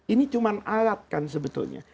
ini cuma alat kan sebetulnya